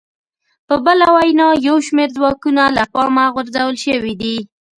په بله وینا یو شمېر ځواکونه له پامه غورځول شوي دي